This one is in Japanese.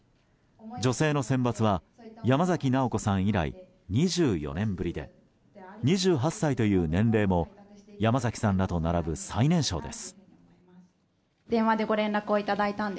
女性の選抜は山崎直子さん以来２４年ぶりで２８歳という年齢も山崎さんらと並ぶ最年少です。